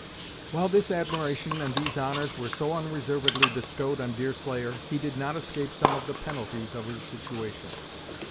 While this admiration and these honors were so unreservedly bestowed on Deerslayer, he did not escape some of the penalties of his situation.